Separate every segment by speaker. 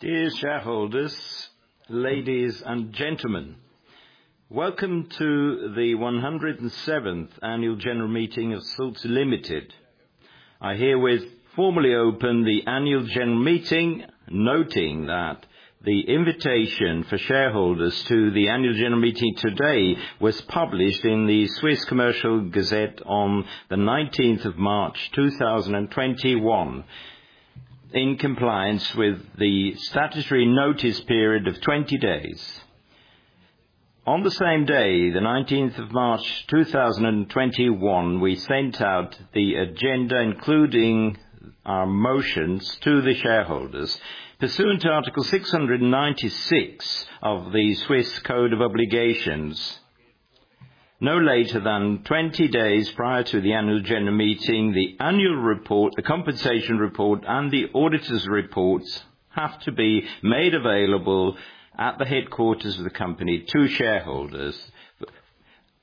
Speaker 1: Dear shareholders, ladies and gentlemen, welcome to the 107th Annual General Meeting of Sulzer Ltd. I herewith formally open the Annual General Meeting, noting that the invitation for shareholders to the Annual General Meeting today was published in the Swiss Official Gazette of Commerce on the 19th of March 2021, in compliance with the statutory notice period of 20 days. On the same day, the 19th of March 2021, we sent out the agenda, including our motions to the shareholders. Pursuant to Article 696 of the Swiss Code of Obligations, no later than 20 days prior to the Annual General Meeting, the annual report, the compensation report, and the auditor's reports have to be made available at the headquarters of the company to shareholders,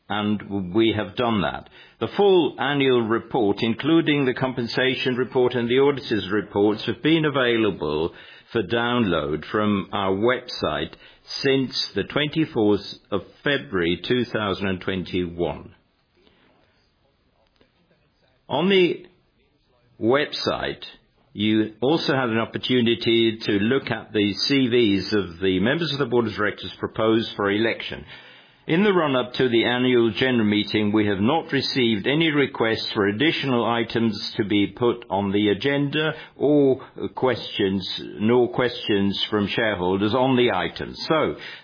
Speaker 1: and we have done that. The full Annual Report, including the Compensation Report and the Auditor's Reports, have been available for download from our website since the 24th of February 2021. On the website, you also have an opportunity to look at the CVs of the members of the Board of Directors proposed for election. In the run-up to the Annual General Meeting, we have not received any requests for additional items to be put on the agenda or questions, nor questions from shareholders on the items.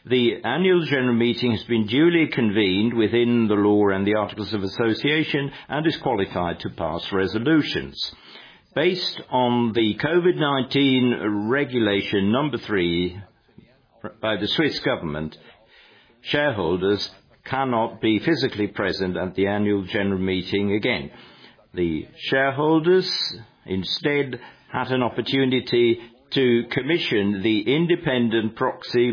Speaker 1: The Annual General Meeting has been duly convened within the law and the articles of association and is qualified to pass resolutions. Based on the COVID-19 Ordinance 3 by the Swiss government, shareholders cannot be physically present at the Annual General Meeting again. The shareholders, instead, had an opportunity to commission the independent proxy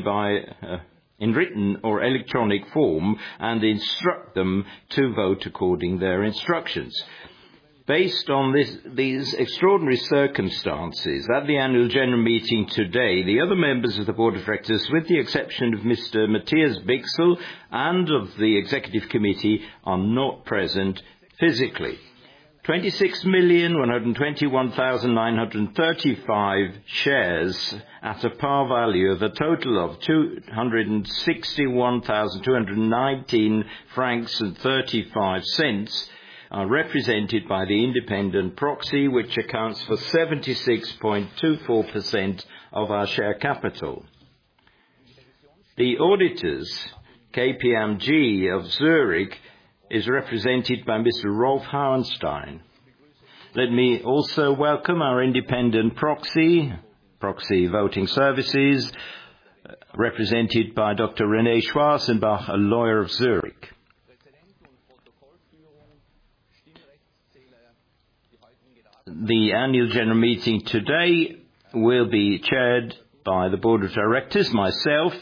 Speaker 1: in written or electronic form and instruct them to vote according to their instructions. Based on these extraordinary circumstances, at the annual general meeting today, the other members of the board of directors, with the exception of Mr. Matthias Bichsel and of the executive committee, are not present physically. 26,121,935 shares at a par value of a total of 261,219.35 francs are represented by the independent proxy, which accounts for 76.24% of our share capital. The auditors, KPMG of Zurich, is represented by Mr. Rolf Hauenstein. Let me also welcome our independent proxy, Proxy Voting Services, represented by Dr. René Schwarzenbach, a lawyer of Zurich. The annual general meeting today will be chaired by the board of directors, myself,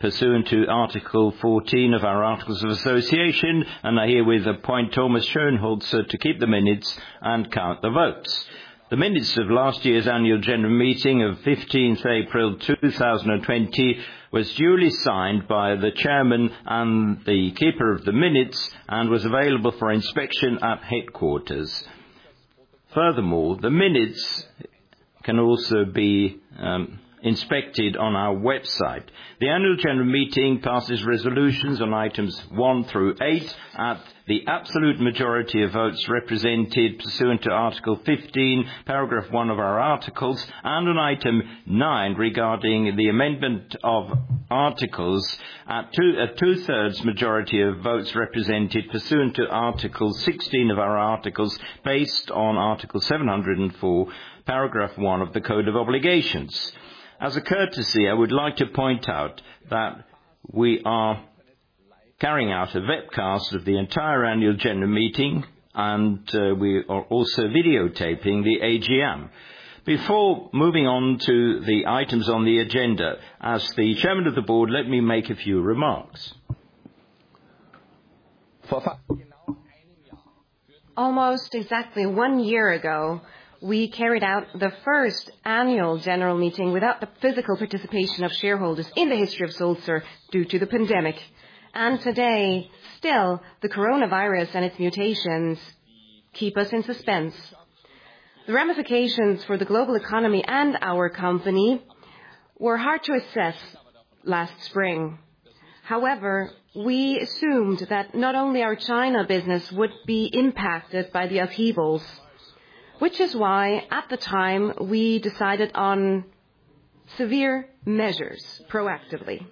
Speaker 1: pursuant to Article 14 of our articles of association, and I herewith appoint Thomas Schönenberger to keep the minutes and count the votes. The minutes of last year's annual general meeting of 15th April 2020 was duly signed by the chairman and the keeper of the minutes and was available for inspection at headquarters. Furthermore, the minutes can also be inspected on our website. The annual general meeting passes resolutions on items one through eight at the absolute majority of votes represented pursuant to Article 15, paragraph one of our articles, and on item nine regarding the amendment of articles at two-thirds majority of votes represented pursuant to Article 16 of our articles, based on Article 704, paragraph one of the Code of Obligations. As a courtesy, I would like to point out that we are carrying out a webcast of the entire annual general meeting, and we are also videotaping the AGM. Before moving on to the items on the agenda, as the chairman of the board, let me make a few remarks. Almost exactly one year ago, we carried out the first annual general meeting without the physical participation of shareholders in the history of Sulzer due to the pandemic. Today, still, the coronavirus and its mutations keep us in suspense. The ramifications for the global economy and our company were hard to assess last spring. However, we assumed that not only our China business would be impacted by the upheavals, which is why at the time, we decided on severe measures proactively.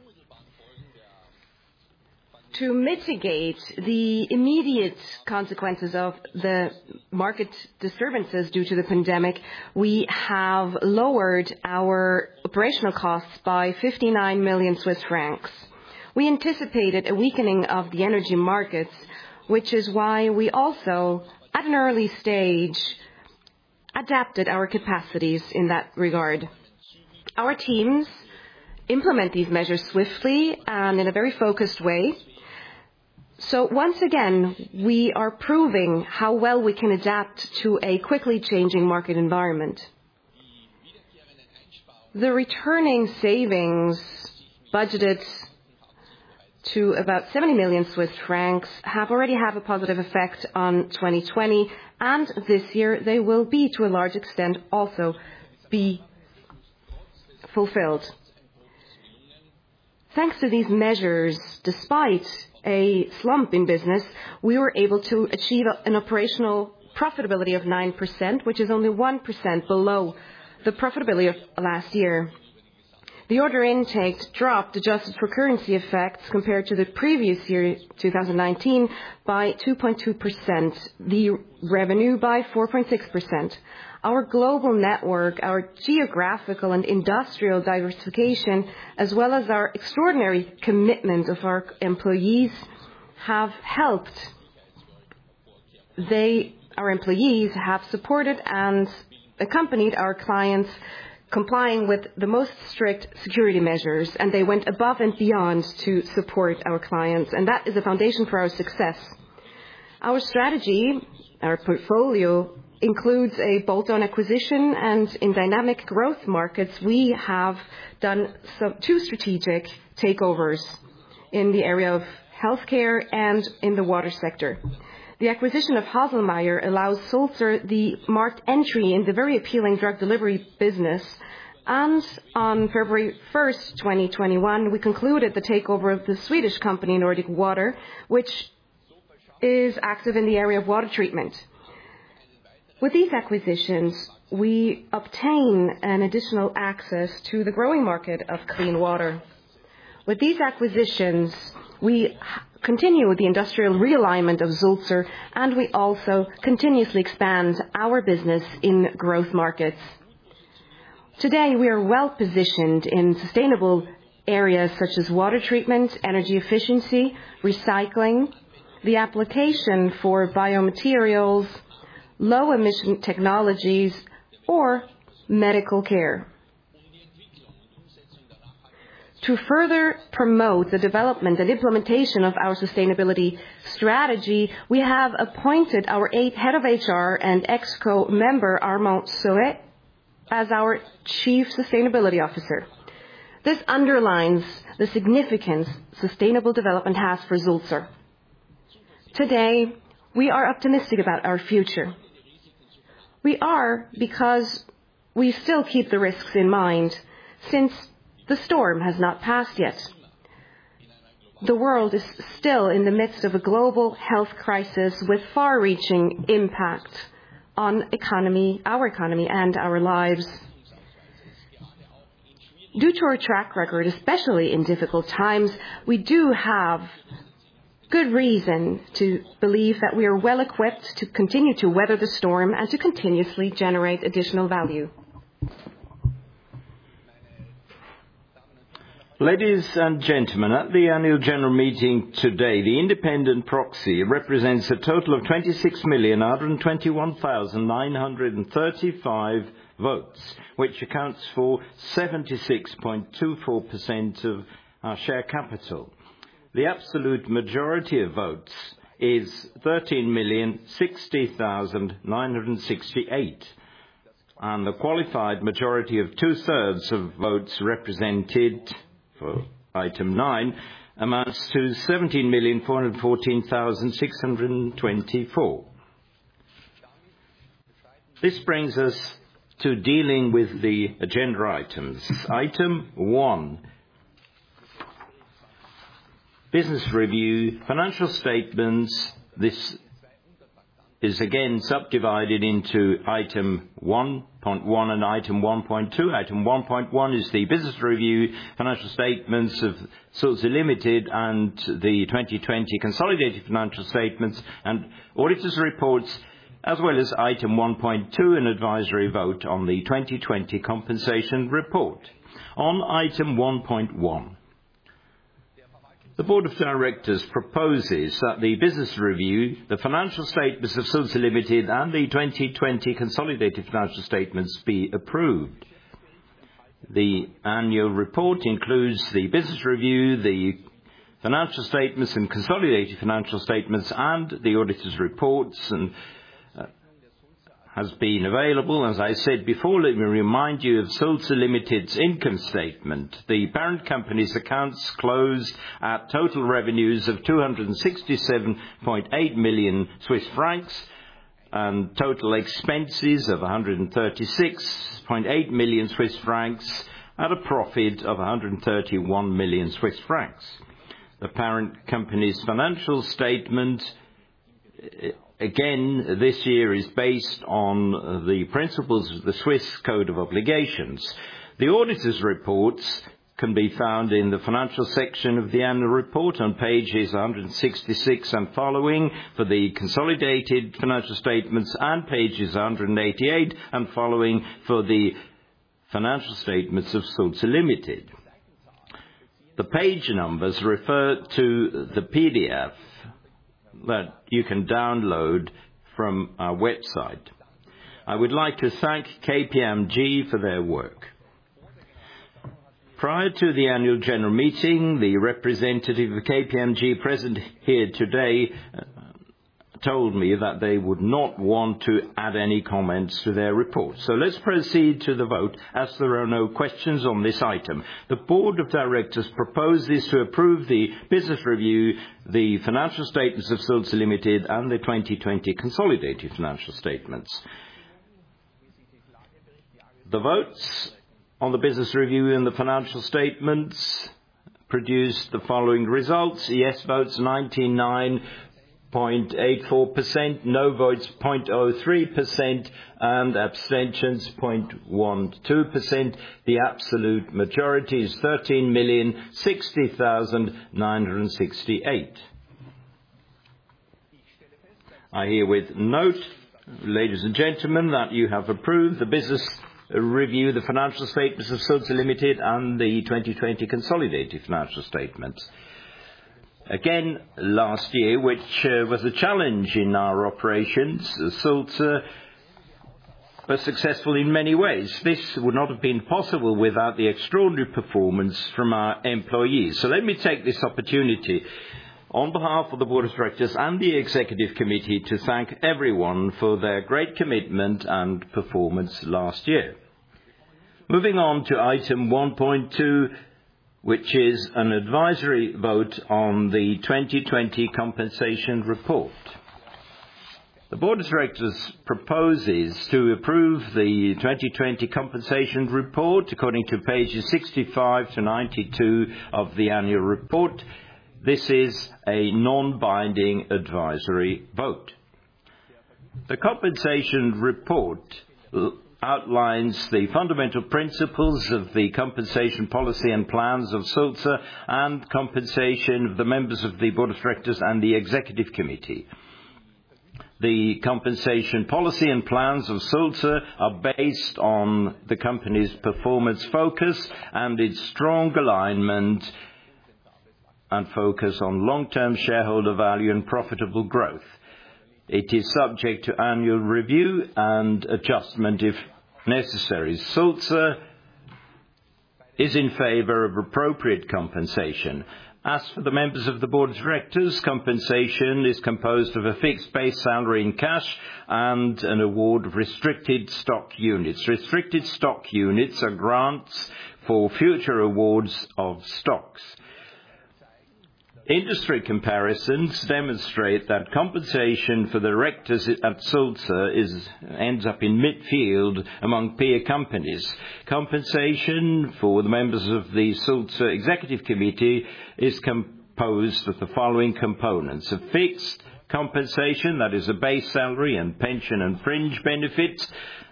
Speaker 1: To mitigate the immediate consequences of the market disturbances due to the pandemic, we have lowered our operational costs by 59 million Swiss francs. We anticipated a weakening of the energy markets, which is why we also, at an early stage, adapted our capacities in that regard. Our teams implement these measures swiftly and in a very focused way. Once again, we are proving how well we can adapt to a quickly changing market environment. The returning savings budgeted to about 70 million Swiss francs already have a positive effect on 2020, and this year they will be, to a large extent, also be fulfilled. Thanks to these measures, despite a slump in business, we were able to achieve an operational profitability of 9%, which is only 1% below the profitability of last year. The order intake dropped, adjusted for currency effects, compared to the previous year, 2019, by 2.2%, the revenue by 4.6%. Our global network, our geographical and industrial diversification, as well as our extraordinary commitment of our employees have helped. They, our employees, have supported and accompanied our clients, complying with the most strict security measures, and they went above and beyond to support our clients, and that is the foundation for our success. Our strategy, our portfolio, includes a bolt-on acquisition, and in dynamic growth markets, we have done two strategic takeovers in the area of healthcare and in the water sector. The acquisition of Haselmeier allows Sulzer the marked entry in the very appealing drug delivery business. On February 1st, 2021, we concluded the takeover of the Swedish company, Nordic Water, which is active in the area of water treatment. With these acquisitions, we obtain an additional access to the growing market of clean water. With these acquisitions, we continue with the industrial realignment of Sulzer, and we also continuously expand our business in growth markets. Today, we are well-positioned in sustainable areas such as water treatment, energy efficiency, recycling, the application for biomaterials, low-emission technologies or medical care. To further promote the development and implementation of our sustainability strategy, we have appointed our Head of HR and ExCo member, Armand Sohet, as our Chief Sustainability Officer. This underlines the significance sustainable development has for Sulzer. Today, we are optimistic about our future. We are, because we still keep the risks in mind, since the storm has not passed yet. The world is still in the midst of a global health crisis with far-reaching impact on our economy and our lives. Due to our track record, especially in difficult times, we do have good reason to believe that we are well-equipped to continue to weather the storm and to continuously generate additional value. Ladies and gentlemen, at the annual general meeting today, the independent proxy represents a total of 26,121,935 votes, which accounts for 76.24% of our share capital. The absolute majority of votes is 13,060,968, and the qualified majority of two-thirds of votes represented for item nine amounts to 17,414,624. This brings us to dealing with the agenda items. Item one, business review, financial statements. This is again subdivided into item 1.1 and item 1.2. Item 1.1 is the business review, financial statements of Sulzer Limited and the 2020 consolidated financial statements and auditors reports, as well as item 1.2, an advisory vote on the 2020 compensation report. On item 1.1, the board of directors proposes that the business review, the financial statements of Sulzer Limited, and the 2020 consolidated financial statements be approved. The annual report includes the business review, the financial statements and consolidated financial statements, and the auditor's reports, and has been available. As I said before, let me remind you of Sulzer Ltd's income statement. The parent company's accounts closed at total revenues of 267.8 million Swiss francs and total expenses of 136.8 million Swiss francs at a profit of 131 million Swiss francs. The parent company's financial statement, again, this year, is based on the principles of the Swiss Code of Obligations. The auditor's reports can be found in the financial section of the annual report on pages 166 and following for the consolidated financial statements, and pages 188 and following for the financial statements of Sulzer Ltd. The page numbers refer to the PDF that you can download from our website. I would like to thank KPMG for their work. Prior to the annual general meeting, the representative of KPMG present here today told me that they would not want to add any comments to their report. Let's proceed to the vote, as there are no questions on this item. The board of directors proposes to approve the business review, the financial statements of Sulzer Ltd, and the 2020 consolidated financial statements. The votes on the business review and the financial statements produced the following results. Yes votes 99.84%, no votes 0.03%, and abstentions 0.12%. The absolute majority is 13,060,968. I herewith note, ladies and gentlemen, that you have approved the business review, the financial statements of Sulzer Ltd, and the 2020 consolidated financial statements. Again, last year, which was a challenge in our operations, Sulzer was successful in many ways. This would not have been possible without the extraordinary performance from our employees. Let me take this opportunity, on behalf of the board of directors and the Executive Committee, to thank everyone for their great commitment and performance last year. Moving on to item 1.2, which is an advisory vote on the 2020 compensation report. The board of directors proposes to approve the 2020 compensation report according to pages 65-92 of the annual report. This is a non-binding advisory vote. The compensation report outlines the fundamental principles of the compensation policy and plans of Sulzer, and compensation of the members of the board of directors and the Executive Committee. The compensation policy and plans of Sulzer are based on the company's performance focus and its strong alignment and focus on long-term shareholder value and profitable growth. It is subject to annual review and adjustment if necessary. Sulzer is in favor of appropriate compensation. As for the members of the Board of Directors, compensation is composed of a fixed base salary in cash and an award of restricted stock units. Restricted stock units are grants for future awards of stocks. Industry comparisons demonstrate that compensation for directors at Sulzer ends up in midfield among peer companies. Compensation for the members of the Sulzer Executive Committee is composed of the following components. A fixed compensation that is a base salary and pension and fringe benefits.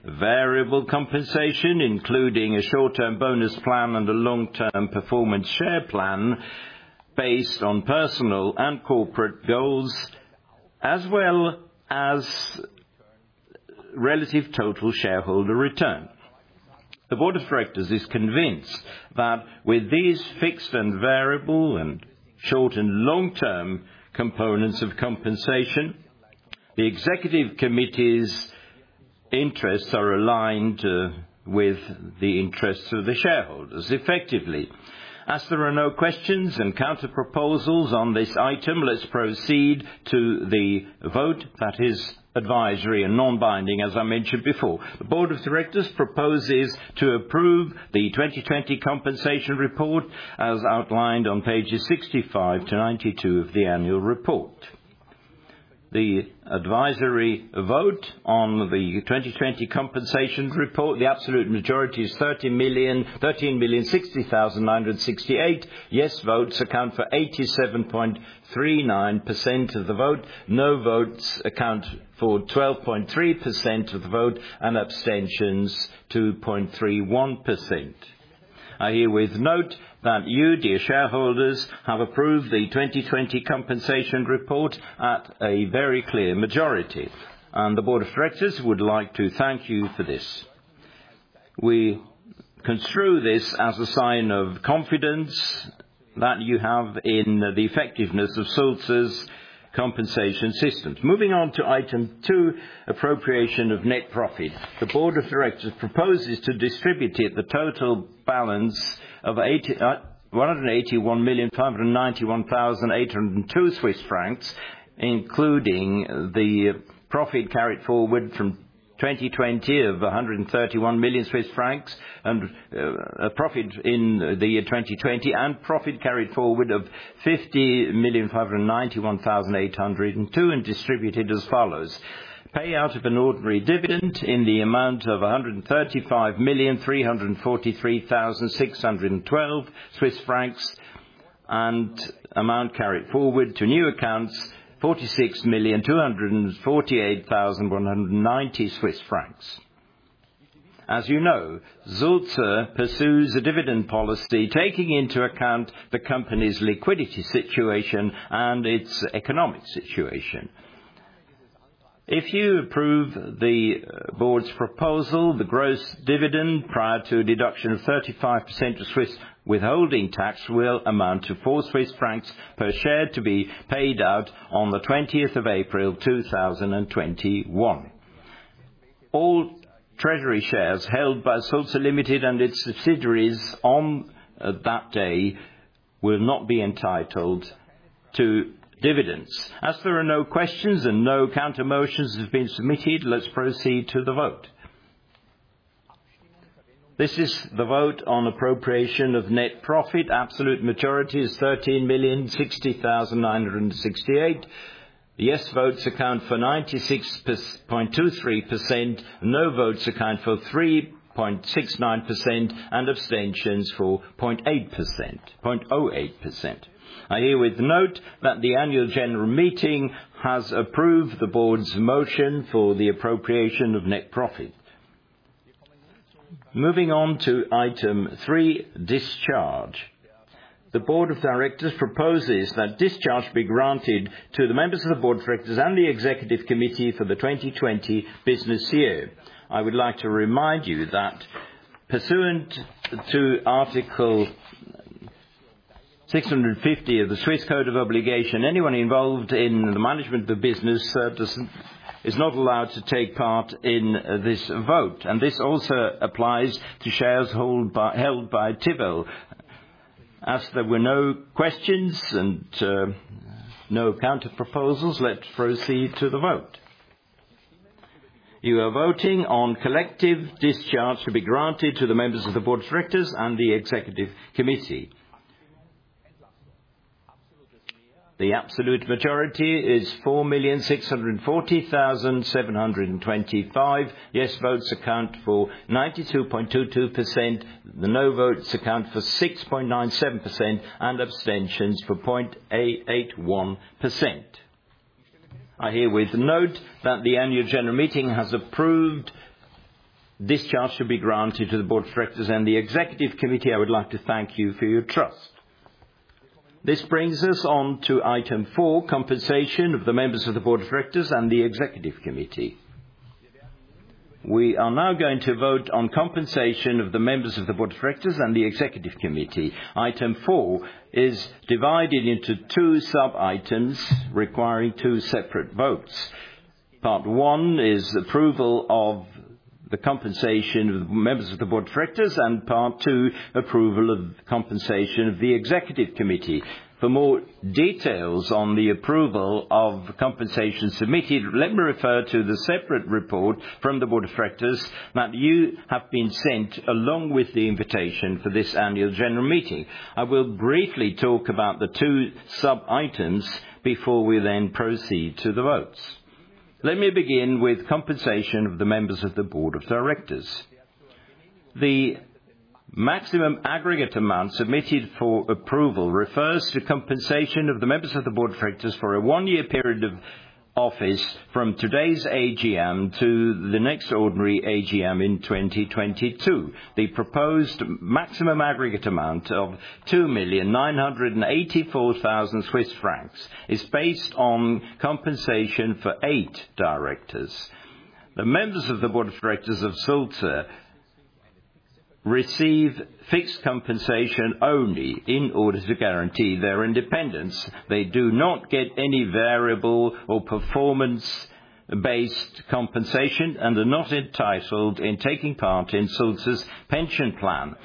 Speaker 1: Variable compensation, including a short-term bonus plan and a long-term performance share plan based on personal and corporate goals, as well as relative total shareholder return. The Board of Directors is convinced that with these fixed and variable and short and long-term components of compensation, the Executive Committee's interests are aligned with the interests of the shareholders effectively. As there are no questions and counter proposals on this item, let's proceed to the vote that is advisory and non-binding, as I mentioned before. The board of directors proposes to approve the 2020 compensation report as outlined on pages 65-92 of the annual report. The advisory vote on the 2020 compensation report, the absolute majority is 13,060,968. Yes votes account for 87.39% of the vote. No votes account for 12.3% of the vote, and abstentions 2.31%. I herewith note that you, dear shareholders, have approved the 2020 compensation report at a very clear majority, and the board of directors would like to thank you for this. We construe this as a sign of confidence that you have in the effectiveness of Sulzer's compensation systems. Moving on to item two, appropriation of net profit. The board of directors proposes to distribute the total balance of 181,591,802 Swiss francs, including the profit carried forward from 2020 of 131 million Swiss francs, and profit in the year 2020, and profit carried forward of 50,591,802 and distributed as follows. Payout of an ordinary dividend in the amount of 135,343,612 Swiss francs, and amount carried forward to new accounts, 46,248,190 Swiss francs. As you know, Sulzer pursues a dividend policy, taking into account the company's liquidity situation and its economic situation. If you approve the board's proposal, the gross dividend, prior to deduction of 35% Swiss withholding tax, will amount to 4 Swiss francs per share to be paid out on the 20th of April, 2021. All treasury shares held by Sulzer Ltd and its subsidiaries on that day will not be entitled to dividends. As there are no questions and no countermotions have been submitted, let's proceed to the vote. This is the vote on appropriation of net profit. Absolute majority is 13,060,968. Yes votes account for 96.23%, no votes account for 3.69%, and abstentions for 0.08%. I herewith note that the annual general meeting has approved the board's motion for the appropriation of net profit. Moving on to item three, discharge. The board of directors proposes that discharge be granted to the members of the board of directors and the executive committee for the 2020 business year. I would like to remind you that pursuant to Article 650 of the Swiss Code of Obligations, anyone involved in the management of business is not allowed to take part in this vote. This also applies to shares held by Tiwel. As there were no questions and no counter proposals, let's proceed to the vote. You are voting on collective discharge to be granted to the members of the board of directors and the Executive Committee. The absolute majority is 4,640,725. Yes votes account for 92.22%, the no votes account for 6.97%, and abstentions for 0.81%. I herewith note that the annual general meeting has approved discharge should be granted to the board of directors and the Executive Committee. I would like to thank you for your trust. This brings us on to item four, compensation of the members of the board of directors and the Executive Committee. We are now going to vote on compensation of the members of the board of directors and the Executive Committee. Item four is divided into two sub-items requiring two separate votes. Part one is approval of the compensation of the members of the board of directors, and Part two, approval of compensation of the Executive Committee. For more details on the approval of compensation submitted, let me refer to the separate report from the Board of Directors that you have been sent along with the invitation for this annual general meeting. I will briefly talk about the two sub-items before we then proceed to the votes. Let me begin with compensation of the members of the Board of Directors. The maximum aggregate amount submitted for approval refers to compensation of the members of the Board of Directors for a one-year period of office from today's AGM to the next ordinary AGM in 2022. The proposed maximum aggregate amount of 2,984,000 Swiss francs is based on compensation for eight directors. The members of the Board of Directors of Sulzer receive fixed compensation only in order to guarantee their independence. They do not get any variable or performance-based compensation and are not entitled in taking part in Sulzer's pension plan.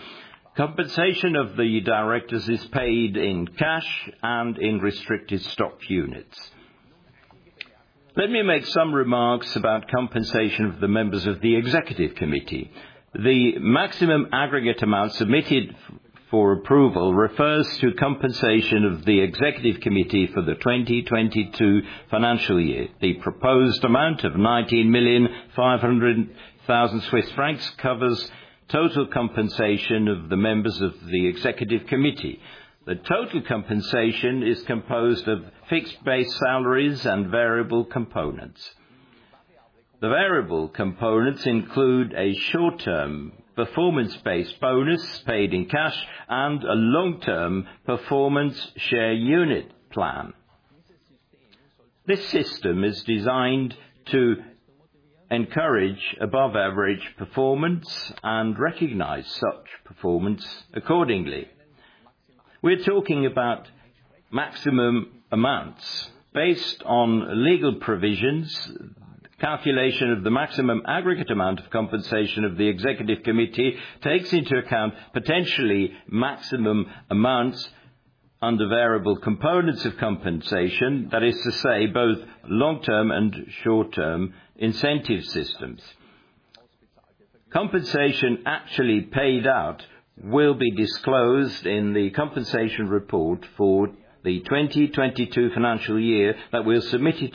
Speaker 1: Compensation of the directors is paid in cash and in restricted stock units. Let me make some remarks about compensation of the members of the Executive Committee. The maximum aggregate amount submitted for approval refers to compensation of the Executive Committee for the 2022 financial year. The proposed amount of 19,500,000 Swiss francs covers total compensation of the members of the Executive Committee. The total compensation is composed of fixed base salaries and variable components. The variable components include a short-term performance-based bonus paid in cash and a long-term performance share unit plan. This system is designed to encourage above-average performance and recognize such performance accordingly. We're talking about maximum amounts. Based on legal provisions, calculation of the maximum aggregate amount of compensation of the Executive Committee takes into account potentially maximum amounts under variable components of compensation. That is to say, both long-term and short-term incentive systems. Compensation actually paid out will be disclosed in the compensation report for the 2022 financial year that will be submitted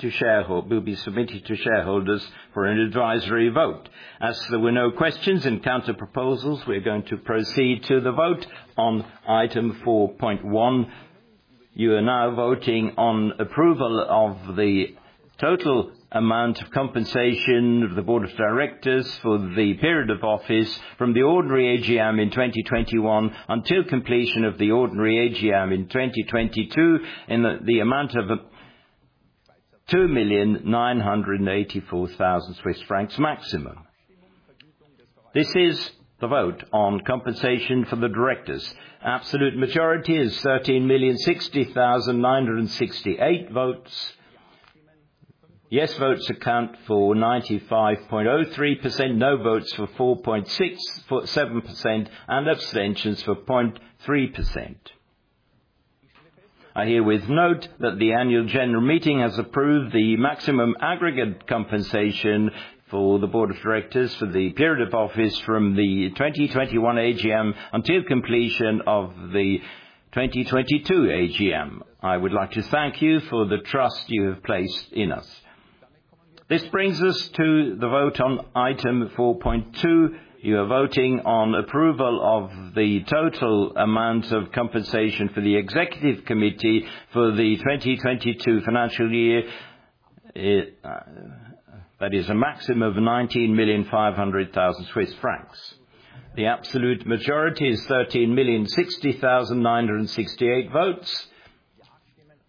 Speaker 1: to shareholders for an advisory vote. As there were no questions and counter proposals, we're going to proceed to the vote on item 4.1. You are now voting on approval of the total amount of compensation of the Board of Directors for the period of office from the ordinary AGM in 2021 until completion of the ordinary AGM in 2022 in the amount of 2,984,000 Swiss francs maximum. This is the vote on compensation for the directors. Absolute majority is 13,060,968 votes. Yes votes account for 95.03%, no votes for 4.67%, and abstentions for 0.3%. I herewith note that the annual general meeting has approved the maximum aggregate compensation for the board of directors for the period of office from the 2021 AGM until completion of the 2022 AGM. I would like to thank you for the trust you have placed in us. This brings us to the vote on item 4.2. You are voting on approval of the total amount of compensation for the executive committee for the 2022 financial year. That is a maximum of 19,500,000 Swiss francs. The absolute majority is 13,060,968 votes.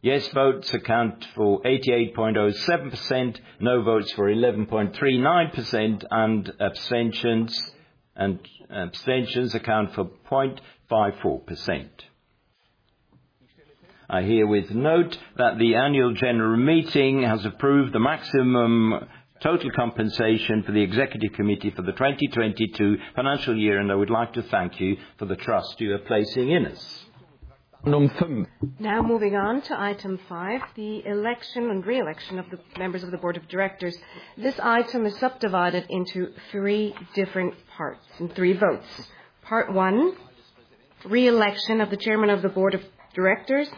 Speaker 1: Yes votes account for 88.07%, no votes for 11.39%, and abstentions account for 0.54%. I herewith note that the Annual General Meeting has approved the maximum total compensation for the Executive Committee for the 2022 financial year, and I would like to thank you for the trust you are placing in us.
Speaker 2: Moving on to item five, the election and re-election of the members of the board of directors. This item is subdivided into three different parts and three votes. Part one, re-election of the chairman of the board of directors.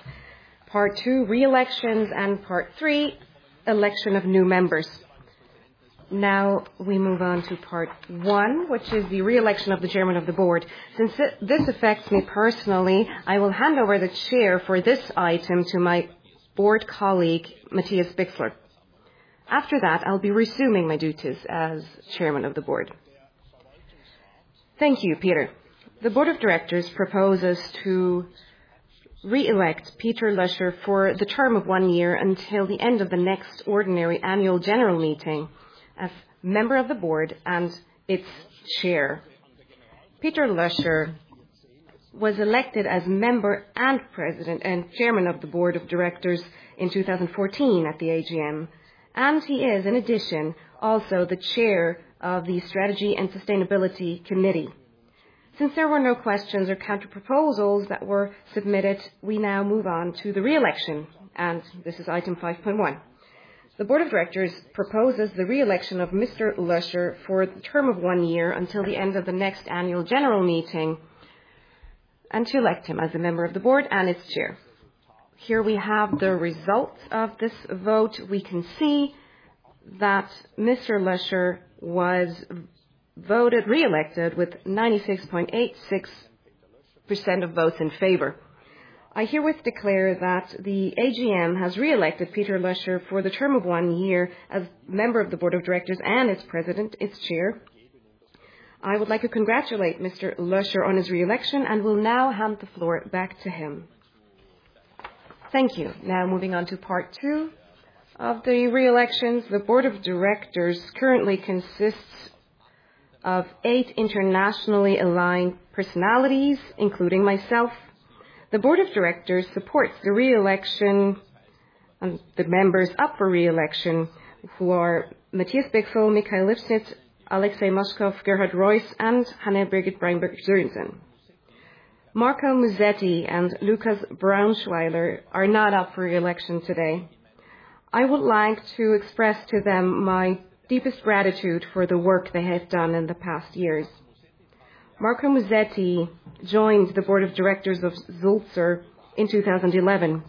Speaker 2: Part two, re-elections, and Part three, election of new members. We move on to part one, which is the re-election of the chairman of the board. Since this affects me personally, I will hand over the chair for this item to my board colleague, Matthias Bichsel. After that, I'll be resuming my duties as chairman of the board. Thank you, Peter. The board of directors proposes to re-elect Peter Löscher for the term of one year until the end of the next ordinary annual general meeting as member of the board and its chair. Peter Löscher was elected as member and President and Chairman of the Board of Directors in 2014 at the AGM, and he is, in addition, also the Chair of the Strategy and Sustainability Committee. Since there were no questions or counter proposals that were submitted, we now move on to the re-election, and this is item 5.1. The Board of Directors proposes the re-election of Mr. Löscher for the term of one year until the end of the next annual general meeting, and to elect him as a member of the Board and its Chair. Here we have the results of this vote. We can see that Mr. Löscher was re-elected with 96.86% of votes in favor. I herewith declare that the AGM has re-elected Peter Löscher for the term of one year as member of the Board of Directors and its President, its Chair. I would like to congratulate Mr. Löscher on his re-election and will now hand the floor back to him. Thank you. Moving on to part two of the re-elections. The board of directors currently consists of eight internationally aligned personalities, including myself. The board of directors supports the members up for re-election, who are Matthias Bichsel, Mikhail Lifshitz, Alexey Moskov, Gerhard Roiss, and Hanne Birgitte Breinbjerg Sørensen. Marco Musetti and Lukas Braunschweiler are not up for re-election today. I would like to express to them my deepest gratitude for the work they have done in the past years. Marco Musetti joined the board of directors of Sulzer in 2011.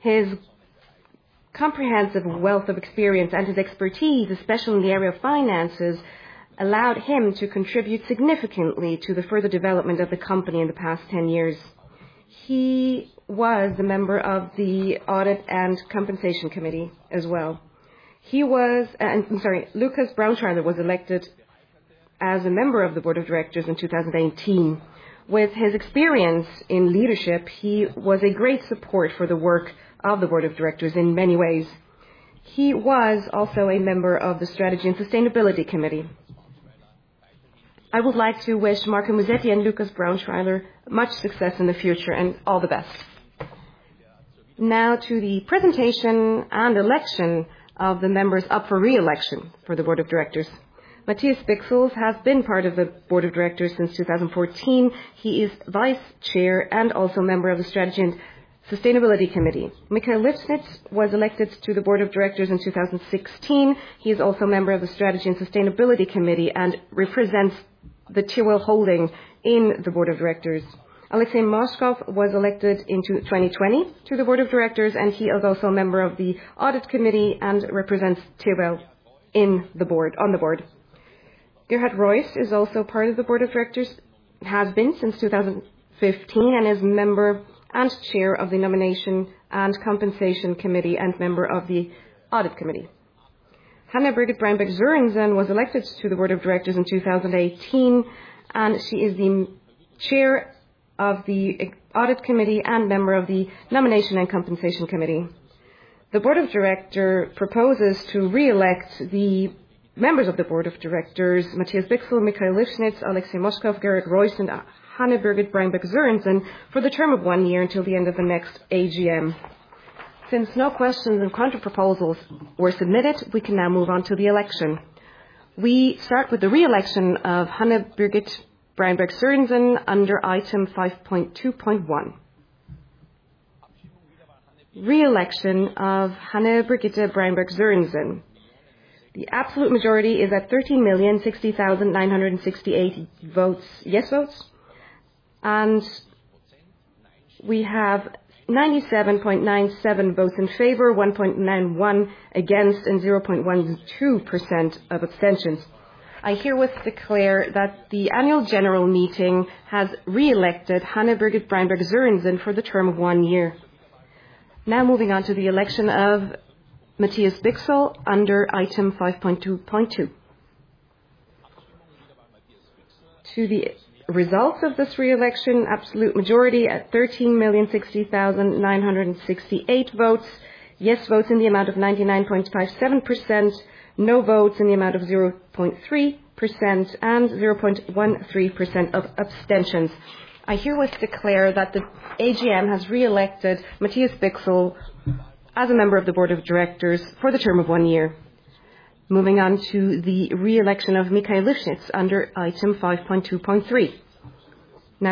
Speaker 2: His comprehensive wealth of experience and his expertise, especially in the area of finances, allowed him to contribute significantly to the further development of the company in the past 10 years. He was a member of the Audit and Compensation Committee as well. Lukas Braunschweiler was elected as a member of the Board of Directors in 2018. With his experience in leadership, he was a great support for the work of the Board of Directors in many ways. He was also a member of the Strategy and Sustainability Committee. I would like to wish Marco Musetti and Lukas Braunschweiler much success in the future and all the best. Now to the presentation and election of the members up for re-election for the Board of Directors. Matthias Bichsel has been part of the Board of Directors since 2014. He is Vice Chairman and also a member of the Strategy and Sustainability Committee. Mikhail Lifshitz was elected to the Board of Directors in 2016. He is also a member of the Strategy and Sustainability Committee and represents the Tiwel Holding in the board of directors. Alexey Moskov was elected in 2020 to the board of directors, and he is also a member of the Audit Committee and represents Tiwel on the board. Gerhard Roiss is also part of the board of directors, has been since 2015, and is member and chair of the Nomination and Compensation Committee and member of the Audit Committee. Hanne Birgitte Breinbjerg Sørensen was elected to the board of directors in 2018, and she is the chair of the Audit Committee and member of the Nomination and Compensation Committee. The board of directors proposes to re-elect the Members of the board of directors, Matthias Bichsel, Mikhail Lifshitz, Alexey Moskov, Gerhard Roiss, and Hanne Birgitte Breinbjerg Sørensen, for the term of one year until the end of the next AGM. Since no questions and counter proposals were submitted, we can now move on to the election. We start with the re-election of Hanne Birgitte Breinbjerg Sørensen under item 5.2.1. Re-election of Hanne Birgitte Breinbjerg Sørensen. The absolute majority is at 13,060,968 yes votes, and we have 97.97 votes in favor, 1.91 against, and 0.12% of abstentions. I herewith declare that the annual general meeting has re-elected Hanne Birgitte Breinbjerg Sørensen for the term of one year. Now moving on to the election of Matthias Bichsel under item 5.2.2. To the results of this re-election, absolute majority at 13,060,968 votes. Yes votes in the amount of 99.57%, no votes in the amount of 0.3%, and 0.13% of abstentions. I herewith declare that the AGM has re-elected Matthias Bichsel as a member of the board of directors for the term of one year. Moving on to the re-election of Mikhail Lifshitz under item 5.2.3.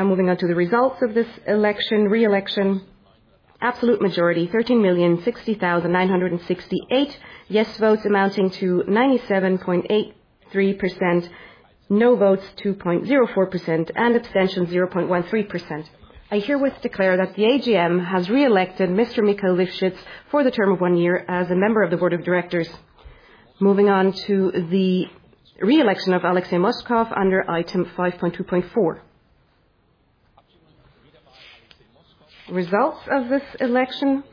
Speaker 2: Moving on to the results of this re-election. Absolute majority, 13,060,968. Yes votes amounting to 97.83%, no votes 2.04%, and abstentions 0.13%. I herewith declare that the AGM has re-elected Mr. Mikhail Lifshitz for the term of one year as a member of the Board of Directors. Moving on to the re-election of Alexey Moskov under item 5.2.4. Results of this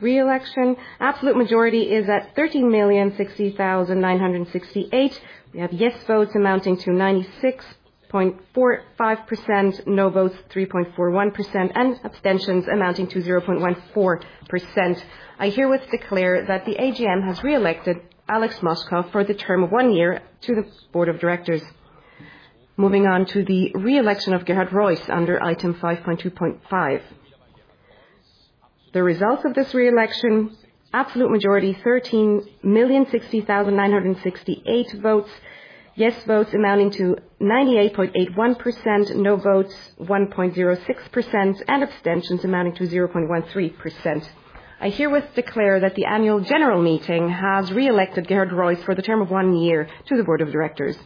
Speaker 2: re-election. Absolute majority is at 13,060,968. We have yes votes amounting to 96.45%, no votes 3.41%, and abstentions amounting to 0.14%. I herewith declare that the AGM has re-elected Alexey Moskov for the term of one year to the Board of Directors. Moving on to the re-election of Gerhard Roiss under item 5.2.5. The results of this re-election, absolute majority 13,060,968 votes. Yes votes amounting to 98.81%, no votes 1.06%, and abstentions amounting to 0.13%. I herewith declare that the annual general meeting has re-elected Gerhard Roiss for the term of one year to the Board of Directors.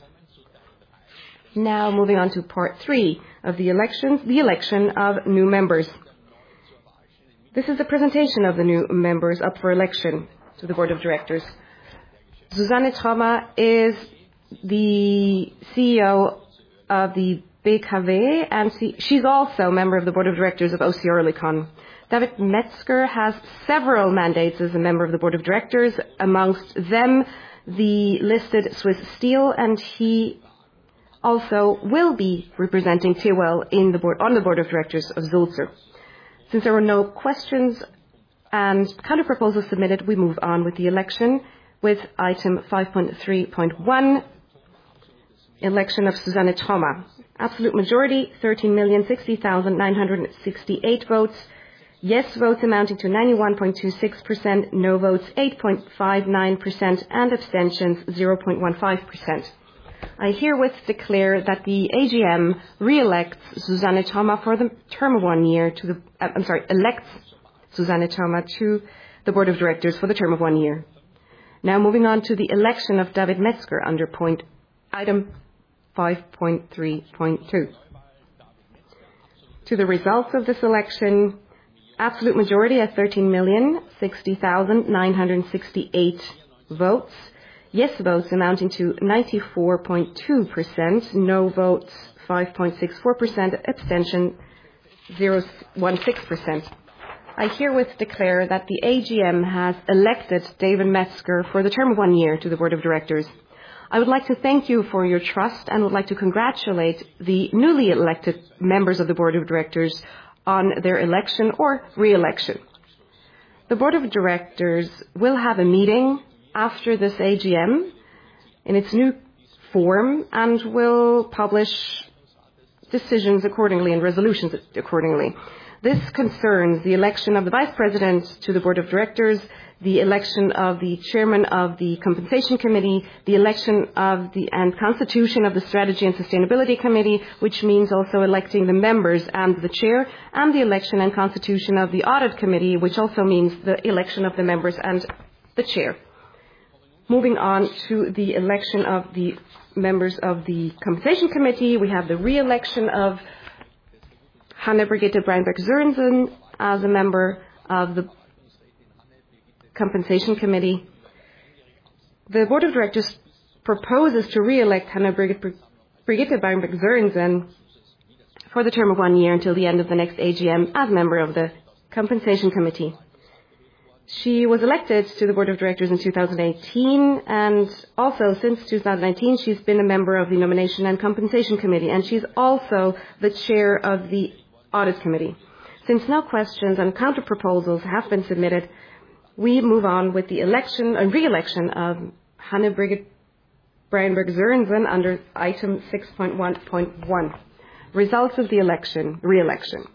Speaker 2: Moving on to part three of the election, the election of new members. This is a presentation of the new members up for election to the Board of Directors. Suzanne Thoma is the CEO of the BKW, and she is also a Member of the Board of Directors of OC Oerlikon. David Metzger has several mandates as a Member of the Board of Directors, amongst them the listed Swiss Steel, and he also will be representing Tiwel on the Board of Directors of Sulzer. Since there were no questions and counter proposals submitted, we move on with the election, with item 5.3.1, election of Suzanne Thoma. Absolute majority, 13,060,968 votes. Yes votes amounting to 91.26%, no votes 8.59%, and abstentions 0.15%. I herewith declare that the AGM elects Suzanne Thoma to the Board of Directors for the term of one year. Moving on to the election of David Metzger under point item 5.3.2. To the results of this election, absolute majority at 13,060,968 votes. Yes votes amounting to 94.2%, no votes 5.64%, abstention 0.16%. I herewith declare that the AGM has elected David Metzger for the term of one year to the Board of Directors. I would like to thank you for your trust and would like to congratulate the newly elected members of the Board of Directors on their election or re-election. The Board of Directors will have a meeting after this AGM in its new form and will publish decisions accordingly and resolutions accordingly. This concerns the election of the vice president to the Board of Directors, the election of the chairman of the Compensation Committee, the election and constitution of the Strategy and Sustainability Committee, which means also electing the members and the chair, and the election and constitution of the Audit Committee, which also means the election of the members and the chair. Moving on to the election of the members of the Compensation Committee. We have the re-election of Hanne Birgitte Breinbjerg Sørensen as a member of the Compensation Committee. The Board of Directors proposes to re-elect Hanne Birgitte Breinbjerg Sørensen for the term of one year until the end of the next AGM as a member of the Compensation Committee. She was elected to the Board of Directors in 2018 and also since 2019, she's been a member of the Nomination and Compensation Committee, and she's also the chair of the Audit Committee. Since no questions and counter proposals have been submitted, we move on with the election and re-election of Hanne Birgitte Breinbjerg Sørensen under item 6.1.1. Results of the re-election.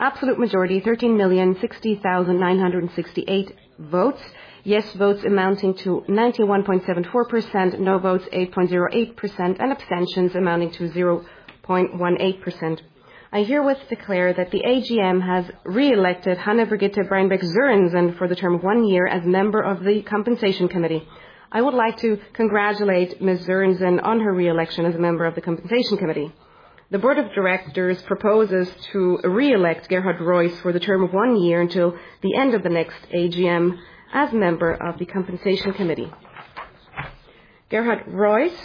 Speaker 2: Absolute majority, 13,060,968 votes. Yes votes amounting to 91.74%, no votes 8.08%, and abstentions amounting to 0.18%. I herewith declare that the AGM has re-elected Hanne Birgitte Breinbjerg Sørensen for the term of one year as member of the Compensation Committee. I would like to congratulate Ms. Sørensen on her re-election as a member of the Compensation Committee. The Board of Directors proposes to re-elect Gerhard Roiss for the term of one year until the end of the next AGM as member of the Compensation Committee. Gerhard Roiss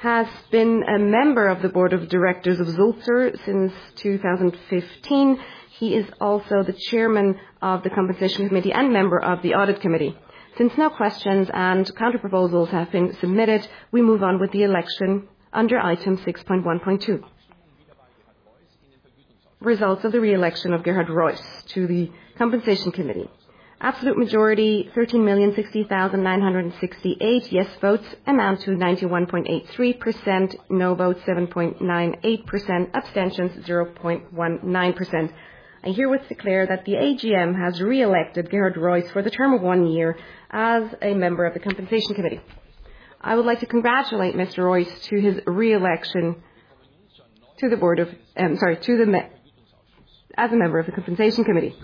Speaker 2: has been a member of the board of directors of Sulzer since 2015. He is also the chairman of the Compensation Committee and member of the Audit Committee. No questions and counter proposals have been submitted, we move on with the election under item 6.1.2. Results of the re-election of Gerhard Roiss to the Compensation Committee. Absolute majority, 13,060,968. Yes votes amount to 91.83%, no votes 7.98%, abstentions 0.19%. I herewith declare that the AGM has re-elected Gerhard Roiss for the term of one year as a member of the Compensation Committee. I would like to congratulate Mr. Roiss to his re-election as a member of the Compensation Committee.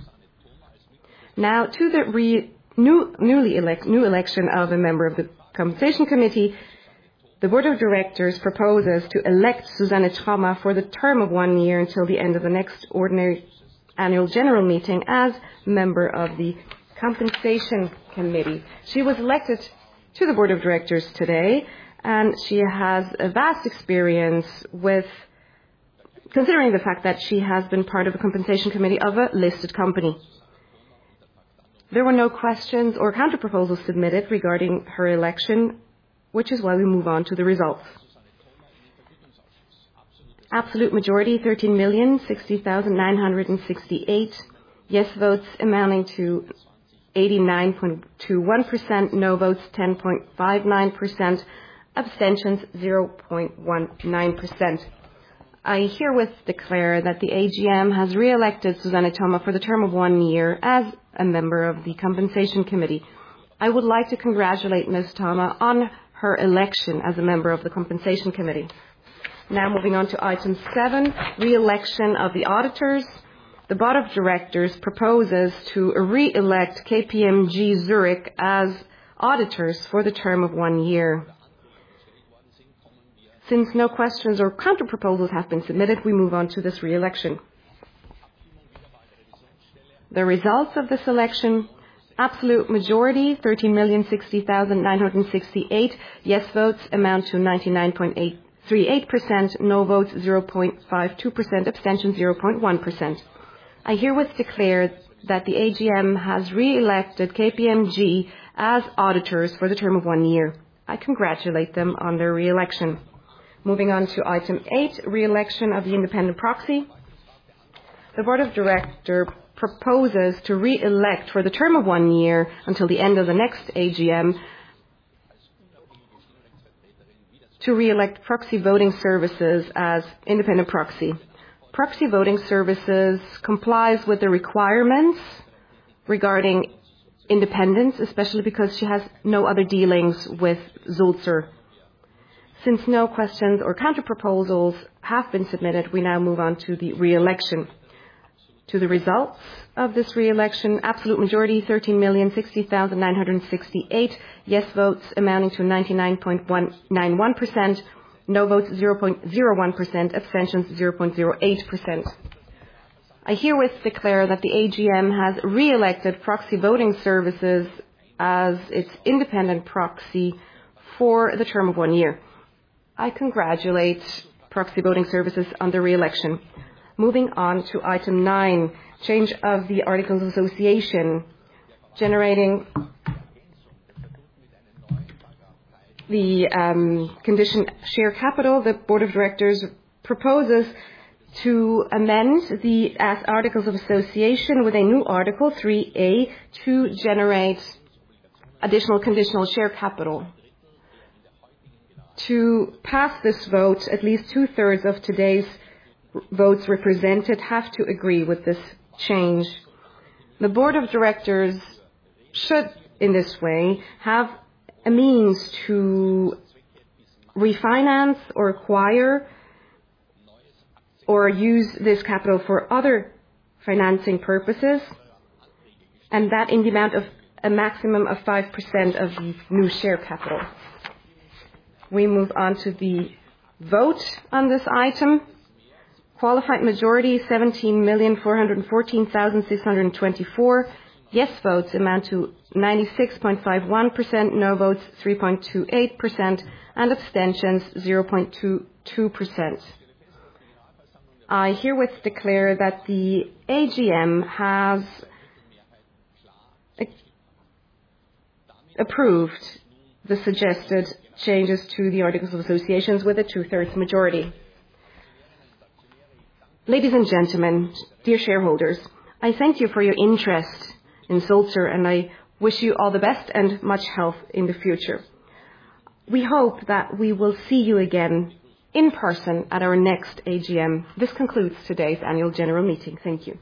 Speaker 2: To the new election of a member of the Compensation Committee. The Board of Directors proposes to elect Suzanne Thoma for the term of one year until the end of the next ordinary annual general meeting as member of the Compensation Committee. She was elected to the Board of Directors today, she has a vast experience considering the fact that she has been part of the Compensation Committee of a listed company. There were no questions or counter proposals submitted regarding her election, which is why we move on to the results. Absolute majority, 13,060,968. Yes votes amounting to 89.21%, no votes 10.59%, abstentions 0.19%. I herewith declare that the AGM has re-elected Suzanne Thoma for the term of one year as a member of the Compensation Committee. I would like to congratulate Ms. Thoma on her election as a member of the Compensation Committee. Now moving on to item seven, re-election of the auditors. The board of directors proposes to re-elect KPMG Zurich as auditors for the term of one year. No questions or counter proposals have been submitted, we move on to this re-election. The results of this election, absolute majority, 13,060,968. Yes votes amount to 99.38%, no votes 0.52%, abstentions 0.1%. I herewith declare that the AGM has re-elected KPMG as auditors for the term of one year. I congratulate them on their re-election. Moving on to item eight, re-election of the independent proxy. The board of director proposes to re-elect for the term of one year until the end of the next AGM, to re-elect Proxy Voting Services as independent proxy. Proxy Voting Services complies with the requirements regarding independence, especially because she has no other dealings with Sulzer. No questions or counter proposals have been submitted, we now move on to the re-election. To the results of this re-election. Absolute majority, 13,060,968. Yes votes amounting to 99.91%, no votes 0.01%, abstentions 0.08%. I herewith declare that the AGM has re-elected Proxy Voting Services as its independent proxy for the term of one year. I congratulate Proxy Voting Services on the re-election. Moving on to item nine, change of the articles of association. Generating the conditional share capital. The board of directors proposes to amend the articles of association with a new Article 3A to generate additional conditional share capital. To pass this vote, at least two-thirds of today's votes represented have to agree with this change. The board of directors should, in this way, have a means to refinance or acquire or use this capital for other financing purposes, and that in the amount of a maximum of 5% of new share capital. We move on to the vote on this item. Qualified majority, 17,414,624. Yes votes amount to 96.51%, no votes 3.28%, and abstentions 0.22%. I herewith declare that the AGM has approved the suggested changes to the articles of association with a two-thirds majority. Ladies and gentlemen, dear shareholders, I thank you for your interest in Sulzer, and I wish you all the best and much health in the future. We hope that we will see you again in person at our next AGM. This concludes today's annual general meeting. Thank you.